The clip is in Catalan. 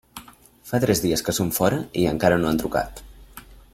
Fa tres dies que són fora i encara no han trucat.